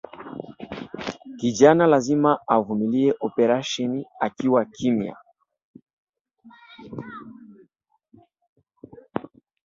Kijana lazima avumilie operasheni akiwa kimya